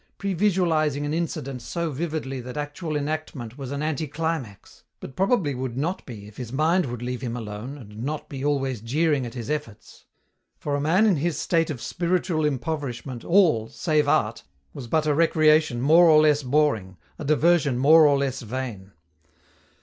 previsualizing an incident so vividly that actual enactment was an anticlimax but probably would not be if his mind would leave him alone and not be always jeering at his efforts. For a man in his state of spiritual impoverishment all, save art, was but a recreation more or less boring, a diversion more or less vain.